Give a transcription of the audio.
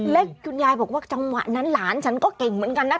และคุณยายบอกว่าจังหวะนั้นหลานฉันก็เก่งเหมือนกันนะ